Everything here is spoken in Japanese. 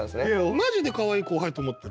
マジでかわいい後輩って思ってる。